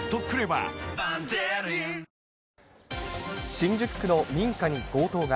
新宿区の民家に強盗が。